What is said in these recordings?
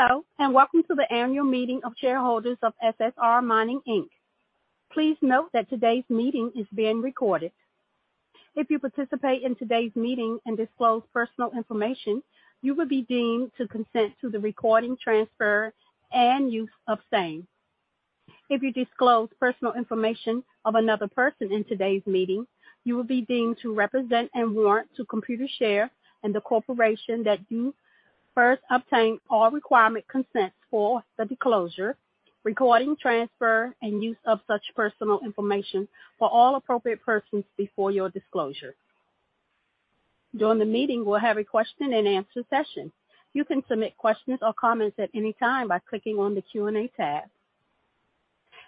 Hello, and welcome to the annual meeting of shareholders of SSR Mining Inc. Please note that today's meeting is being recorded. If you participate in today's meeting and disclose personal information, you will be deemed to consent to the recording, transfer, and use of same. If you disclose personal information of another person in today's meeting, you will be deemed to represent and warrant to Computershare and the corporation that you first obtained all requirement consents for the disclosure, recording, transfer, and use of such personal information for all appropriate persons before your disclosure. During the meeting, we'll have a question and answer session. You can submit questions or comments at any time by clicking on the Q&A tab.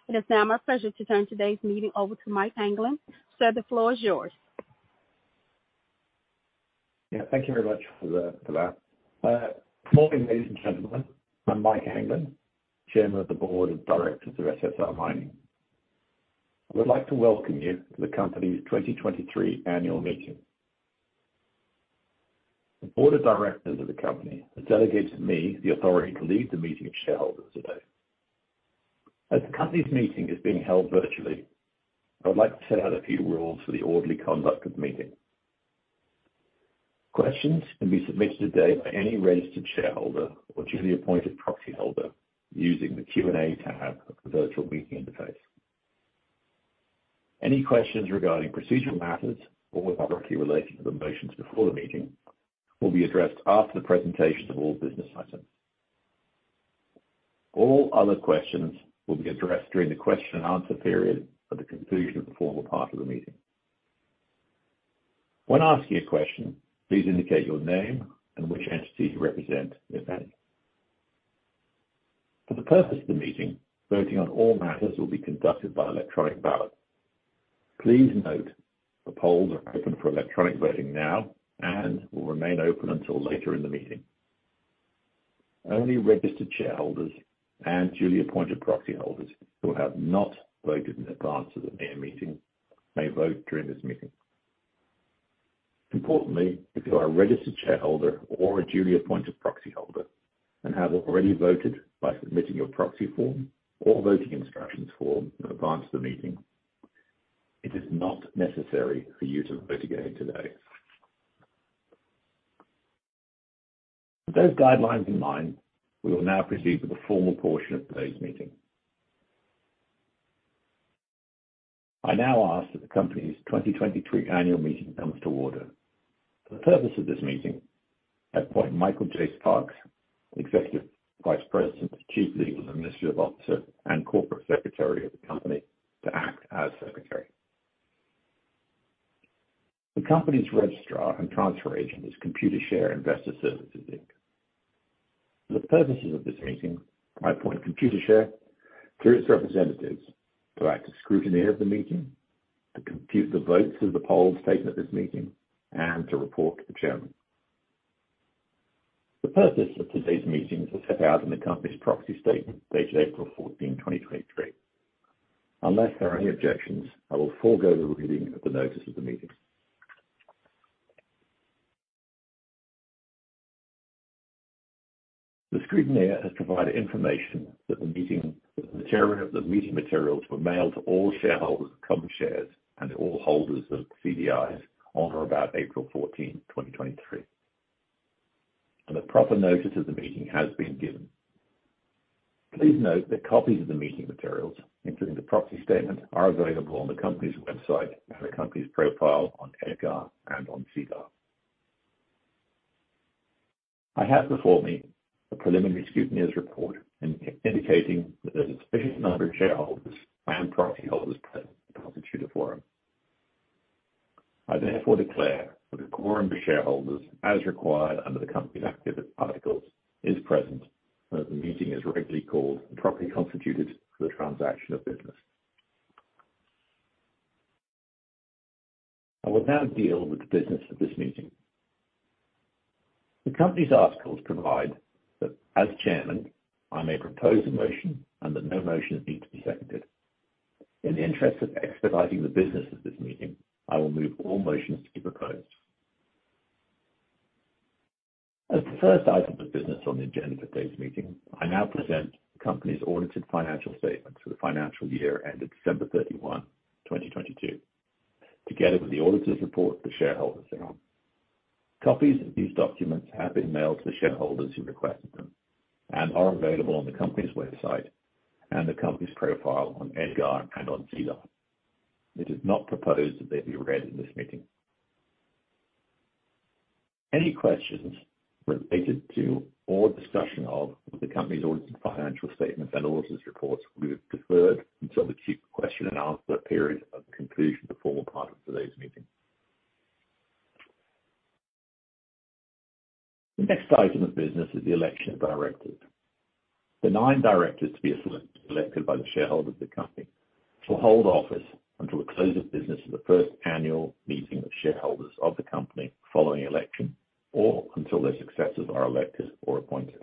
It is now my pleasure to turn today's meeting over to Mike Anglin. Sir, the floor is yours. Thank you very much for that. Good morning, ladies and gentlemen. I'm Mike Anglin, Chairman of the Board of Directors of SSR Mining. I would like to welcome you to the company's 2023 annual meeting. The Board of Directors of the company has delegated to me the authority to lead the meeting of shareholders today. As the company's meeting is being held virtually, I would like to set out a few rules for the orderly conduct of the meeting. Questions can be submitted today by any registered shareholder or duly appointed proxyholder using the Q&A tab of the virtual meeting interface. Any questions regarding procedural matters or directly related to the motions before the meeting will be addressed after the presentation of all business items. All other questions will be addressed during the question and answer period at the conclusion of the formal part of the meeting. When asking a question, please indicate your name and which entity you represent, if any. For the purpose of the meeting, voting on all matters will be conducted by electronic ballot. Please note, the polls are open for electronic voting now and will remain open until later in the meeting. Only registered shareholders and duly appointed proxyholders who have not voted in advance of the annual meeting may vote during this meeting. Importantly, if you are a registered shareholder or a duly appointed proxyholder and have already voted by submitting your proxy form or voting instructions form in advance of the meeting, it is not necessary for you to vote again today. With those guidelines in mind, we will now proceed with the formal portion of today's meeting. I now ask that the company's 2023 annual meeting comes to order. For the purpose of this meeting, I appoint Michael J. Sparks, Executive Vice President, Chief Legal and Administrative Officer, and Corporate Secretary of the company, to act as Secretary. The company's registrar and transfer agent is Computershare Investor Services Inc. For the purposes of this meeting, I appoint Computershare through its representatives to act as scrutineer of the meeting, to compute the votes of the polls taken at this meeting, and to report to the chairman. The purpose of today's meeting is set out in the company's proxy statement, dated April 14th, 2023. Unless there are any objections, I will forego the reading of the notice of the meeting. The scrutineer has provided information that the meeting, the chair of the meeting materials were mailed to all shareholders of common shares and all holders of CDIs on or about April 14, 2023, and a proper notice of the meeting has been given. Please note that copies of the meeting materials, including the proxy statement, are available on the company's website and the company's profile on EDGAR and on SEDAR. I have before me a preliminary scrutineer's report indicating that a sufficient number of shareholders and proxyholders present constitute a quorum. I therefore declare that a quorum of shareholders, as required under the company's articles, is present, and that the meeting is rightly called and properly constituted for the transaction of business. I will now deal with the business of this meeting. The company's articles provide that, as chairman, I may propose a motion and that no motion need to be seconded. In the interest of expediting the business of this meeting, I will move all motions to be proposed. As the first item of business on the agenda for today's meeting, I now present the company's audited financial statements for the financial year ended December 31, 2022, together with the auditor's report to the shareholders. Copies of these documents have been mailed to the shareholders who requested them and are available on the company's website and the company's profile on EDGAR and on SEDAR. It is not proposed that they be read in this meeting. Any questions related to or discussion of the company's audited financial statements and auditor's reports will be deferred until the chief question and answer period at the conclusion of the formal part of today's meeting. The next item of business is the election of directors. The nine directors to be elected by the shareholders of the company will hold office until the close of business of the first annual meeting of shareholders of the company following election, or until their successors are elected or appointed.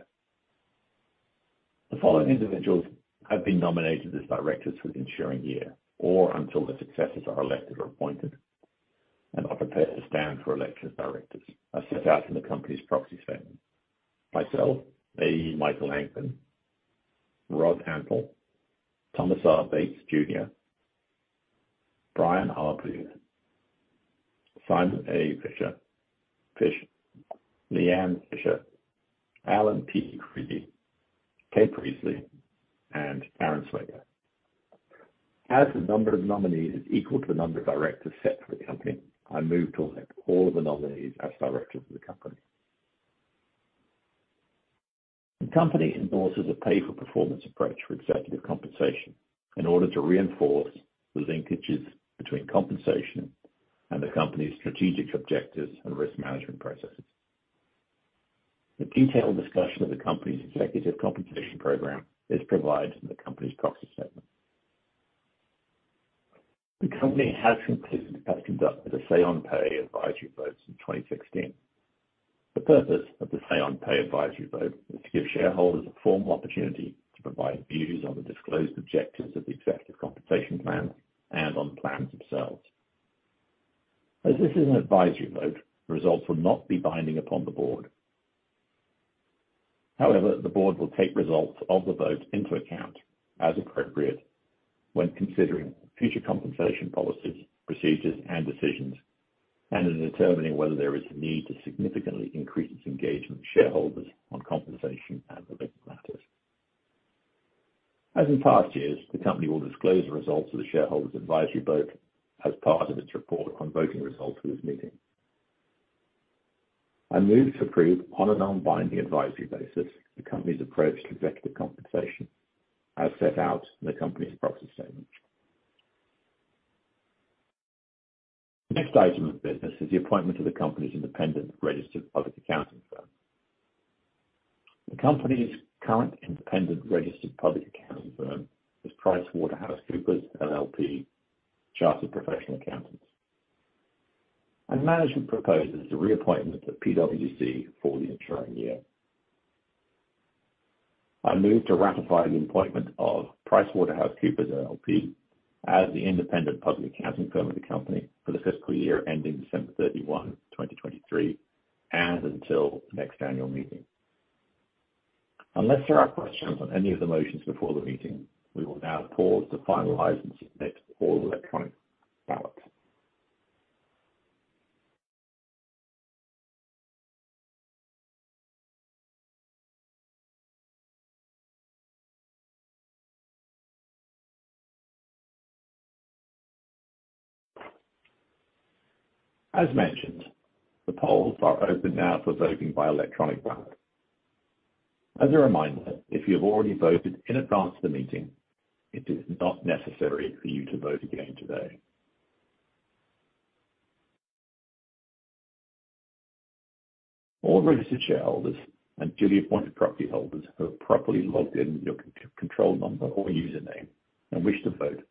The following individuals have been nominated as directors for the ensuing year or until their successors are elected or appointed. Are prepared to stand for election of directors, as set out in the company's proxy statement. Myself, A. Michael Anglin, Rod P. Antal, Thomas R. Bates, Jr., Brian R. Booth, Simon A. Fish, Leigh Ann Fisher, Alan P. Krusi, Kay Priestly, and Karen Swager. As the number of nominees is equal to the number of directors set for the company, I move to elect all of the nominees as directors of the company. The company endorses a pay-for-performance approach for executive compensation in order to reinforce the linkages between compensation and the company's strategic objectives and risk management processes. A detailed discussion of the company's executive compensation program is provided in the company's proxy statement. The company has completed and conducted a say-on-pay advisory vote since 2016. The purpose of the say-on-pay advisory vote is to give shareholders a formal opportunity to provide views on the disclosed objectives of the executive compensation plan and on the plans themselves. As this is an advisory vote, the results will not be binding upon the board. However, the board will take results of the vote into account, as appropriate, when considering future compensation policies, procedures, and decisions, and in determining whether there is a need to significantly increase its engagement with shareholders on compensation and related matters. As in past years, the company will disclose the results of the shareholders' advisory vote as part of its report on voting results for this meeting. I move to approve, on a non-binding advisory basis, the company's approach to executive compensation, as set out in the company's proxy statement. The next item of business is the appointment of the company's independent registered public accounting firm. The company's current independent registered public accounting firm is PricewaterhouseCoopers, LLP, Chartered Professional Accountants, and management proposes the reappointment of PwC for the ensuing year. I move to ratify the appointment of PricewaterhouseCoopers, LLP, as the independent public accounting firm of the company for the fiscal year ending December 31, 2023, and until the next annual meeting. Unless there are questions on any of the motions before the meeting, we will now pause to finalize and submit all electronic ballots. As mentioned, the polls are open now for voting by electronic ballot. As a reminder, if you have already voted in advance of the meeting, it is not necessary for you to vote again today. All registered shareholders and duly appointed proxy holders who have properly logged in with your control number or username and wish to vote,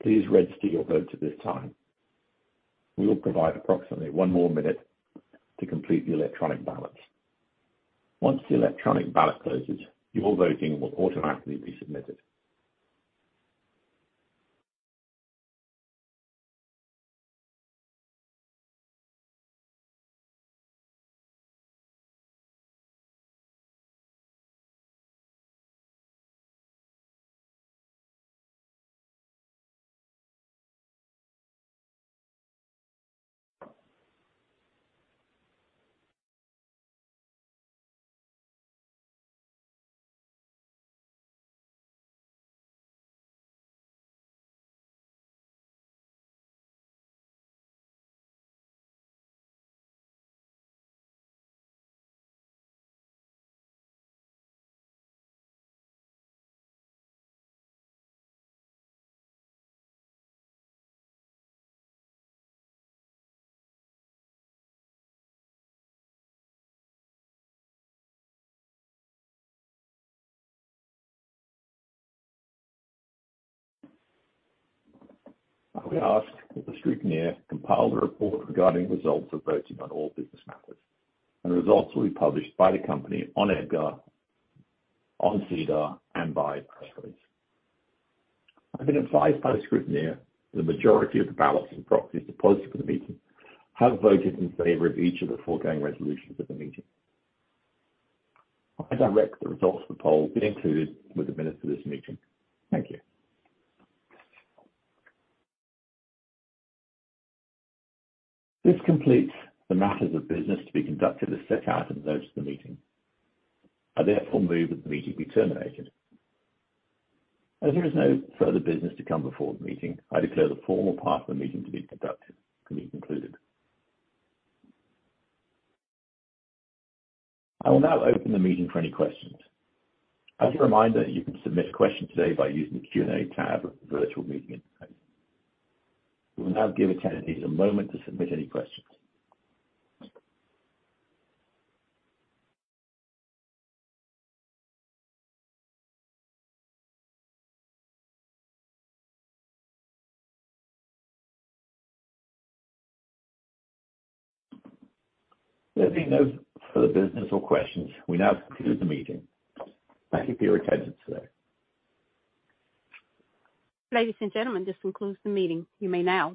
please register your vote at this time. We will provide approximately one more minute to complete the electronic ballots. Once the electronic ballot closes, your voting will automatically be submitted. I will ask that the scrutineer compile the report regarding the results of voting on all business matters. The results will be published by the company on EDGAR, on SEDAR, and by press release. I've been advised by the scrutineer that the majority of the ballots and proxies deposited for the meeting have voted in favor of each of the foregoing resolutions of the meeting. I direct the results of the poll be included with the minutes of this meeting. Thank you. This completes the matters of business to be conducted as set out in the notice of the meeting. I therefore move that the meeting be terminated. As there is no further business to come before the meeting, I declare the formal part of the meeting to be conducted, to be concluded. I will now open the meeting for any questions. As a reminder, you can submit questions today by using the Q&A tab of the virtual meeting interface. We will now give attendees a moment to submit any questions. There being no further business or questions, we now conclude the meeting. Thank you for your attendance today. Ladies and gentlemen, this concludes the meeting. You may now disconnect.